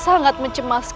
saya sudah takut sekali